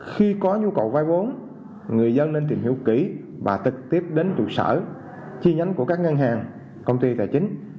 khi có nhu cầu vay vốn người dân nên tìm hiểu kỹ và trực tiếp đến trụ sở chi nhánh của các ngân hàng công ty tài chính